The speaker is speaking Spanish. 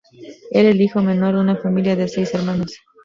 Era el hijo menor de una familia de seis hermanos.